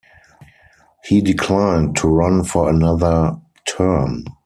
He declined to run for another term.